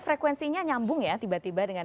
frekuensinya nyambung ya tiba tiba dengan